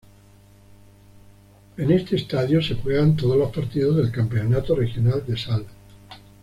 En este estadio se juegan todos los partidos del campeonato regional de Sal.